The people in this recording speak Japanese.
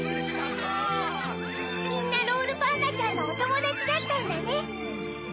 みんなロールパンナちゃんのおともだちだったんだね。